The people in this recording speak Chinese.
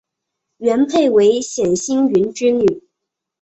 元配为冼兴云之女。